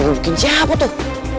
bikin siapa tuh